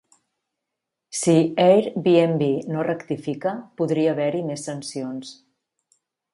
Si Airbnb no rectifica, podria haver-hi més sancions.